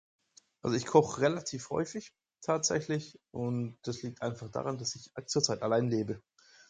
Also ich koch relativ häufig, tatsächlich und das liegt einfach daran das ich in letzter Zeit alleine lebe.